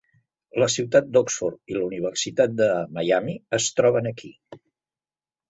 La ciutat d'Oxford i la Universitat de Miami es troben aquí.